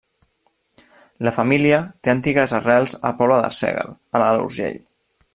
La família té antigues arrels al poble d'Arsèguel, a l'Alt Urgell.